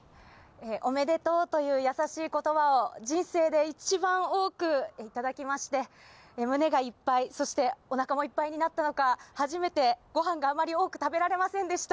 おめでとうという優しいことばを人生で一番多く頂きまして、胸がいっぱい、そして、おなかもいっぱいになったのか、初めてごはんがあまり多く食べられませんでした。